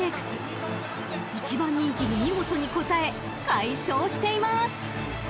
［１番人気に見事に応え快勝しています］